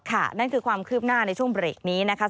นั่นคือความคืบหน้าในช่วงเบรกนี้นะคะ